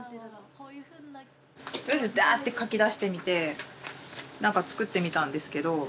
とりあえずダーッて書きだしてみてなんか作ってみたんですけど。